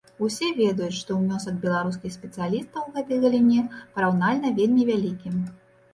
Усе ведаюць, што ўнёсак беларускіх спецыялістаў у гэтай галіне параўнальна вельмі вялікі.